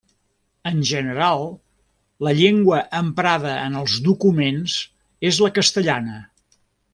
En general, la llengua emprada en els documents és la castellana.